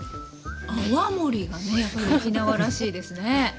泡盛がね沖縄らしいですね。